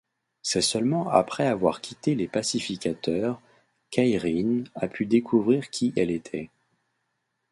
C'est seulement après avoir quitté les Pacificateurs qu'Aeryn a pu découvrir qui elle était.